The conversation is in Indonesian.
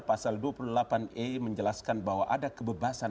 pasal dua puluh delapan e menjelaskan bahwa ada kebebasan